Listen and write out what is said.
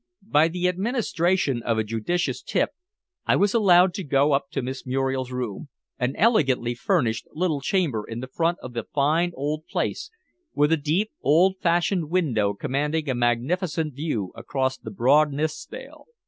By the administration of a judicious tip I was allowed to go up to Miss Muriel's room, an elegantly furnished little chamber in the front of the fine old place, with a deep old fashioned window commanding a magnificent view across the broad Nithsdale.